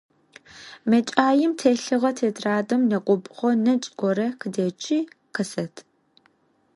МэкӀаим телъыгъэ тетрадым нэкӀубгъо нэкӀ горэ къыдэчи, къысэт.